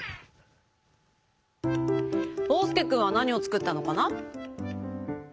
おうすけくんはなにをつくったのかな？